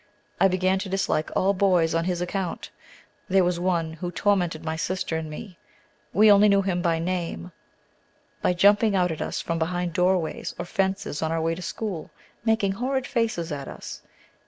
I began to dislike all boys on his account. There was one who tormented my sister and me we only knew him by name by jumping out at us from behind doorways or fences on our way to school, making horrid faces at us.